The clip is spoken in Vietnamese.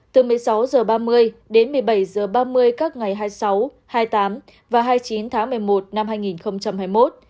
từ một mươi sáu h ba mươi đến một mươi bảy h ba mươi các ngày hai mươi sáu hai mươi tám và hai mươi chín tháng một mươi một năm hai nghìn hai mươi một